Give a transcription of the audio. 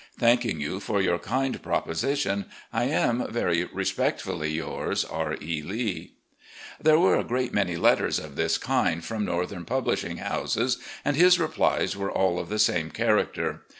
Thanking you for your kind proposition, I am, "Very respectfully yours, "R. E. Lee." There were a great many letters of this kind from Northern publishing houses, and his replies were all of the same character.